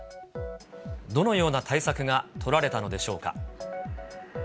どのような対策が取られたのでしょうか。